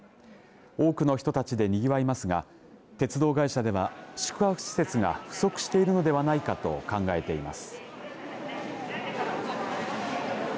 多くの人たちでにぎわいますが鉄道会社では宿泊施設が不足しているのではないかと考えています。